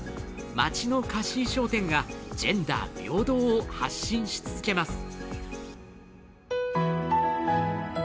街の貸衣装店がジェンダー平等を発信し続けます。